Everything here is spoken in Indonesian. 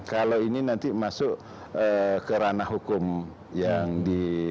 kalau ini nanti masuk ke ranah hukum yang di